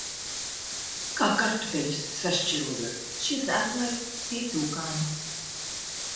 Kā kartupeļus sašķirojot – šie sēklai, tie cūkām.